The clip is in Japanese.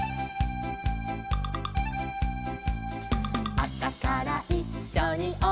「あさからいっしょにおにぎり」